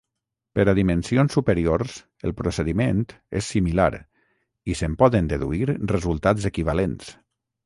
Per a dimensions superiors, el procediment és similar i se'n poden deduir resultats equivalents.